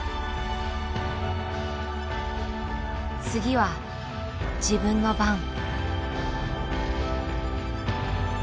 次は自分の番。